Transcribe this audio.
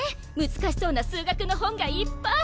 難しそうな数学の本がいっぱい。